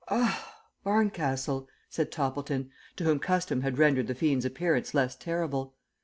"Ah, Barncastle," said Toppleton, to whom custom had rendered the fiend's appearance less terrible.